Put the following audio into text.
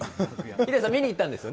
ヒデさん、見に行ったんですよね。